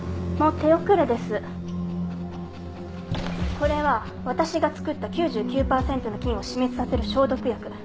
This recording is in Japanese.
これは私が作った９９パーセントの菌を死滅させる消毒薬